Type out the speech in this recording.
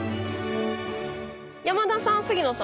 山田さん杉野さん